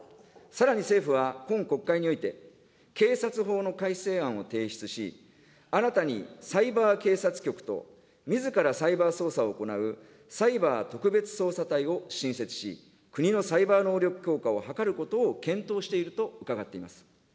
さらに政府は、今国会において、警察法の改正案を提出し、新たにサイバー警察局とみずからサイバー捜査を行うサイバー特別捜査隊を新設し、国のサイバー能力強化を図ることを検討していると伺っています。